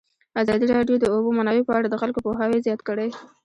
ازادي راډیو د د اوبو منابع په اړه د خلکو پوهاوی زیات کړی.